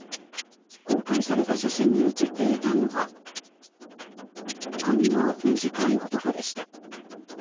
公開された写真に写っていたのは髪の短い男でした。